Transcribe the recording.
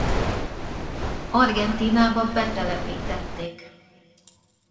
Argentínába betelepítették.